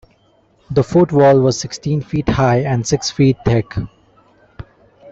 The fort wall was sixteen feet high and six feet thick.